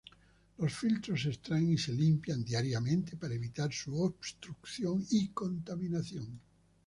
Los filtros se extraen y se limpian diariamente para evitar su obstrucción y contaminación.